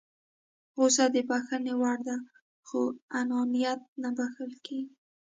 غوسه د بښنې وړ ده خو انانيت نه بښل کېږي.